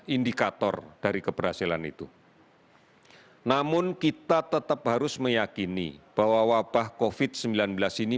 indikator dari keberhasilan itu namun kita tetap harus meyakini bahwa wabah covid sembilan belas ini